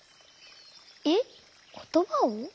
えっことばを？